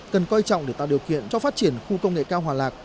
cần coi trọng để tạo điều kiện cho phát triển khu công nghệ cao hòa lạc